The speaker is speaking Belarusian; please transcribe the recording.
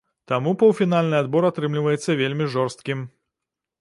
Таму паўфінальны адбор атрымліваецца вельмі жорсткім.